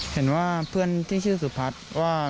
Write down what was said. เห็นว่าเพื่อนที่ชื่อสุพัฒน์ว่า